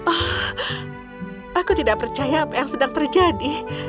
ah aku tidak percaya apa yang sedang terjadi